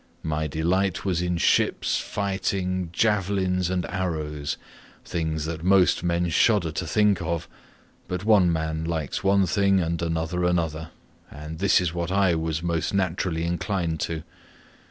My delight was in ships, fighting, javelins, and arrows—things that most men shudder to think of; but one man likes one thing and another another, and this was what I was most naturally inclined to.